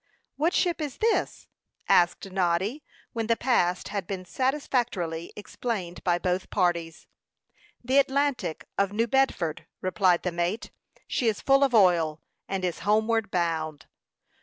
"What ship is this?" asked Noddy, when the past had been satisfactorily explained by both parties. "The Atlantic, of New Bedford," replied the mate. "She is full of oil, and is homeward bound."